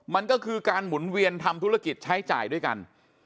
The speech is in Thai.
มันก็คือการหมุนเวียนทำธุรกิจใช้จ่ายด้วยกัน